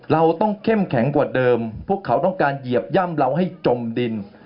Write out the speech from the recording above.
เราต้องเข้มแข็งกว่าเดิมพวกเขาต้องการเหยียบย่ำเราให้จมดิน